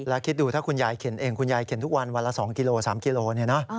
แล้วคิดดูถ้าคุณยายเข็นเองคุณยายเข็นทุกวันวันละ๒กิโล๓กิโลเนี่ยนะ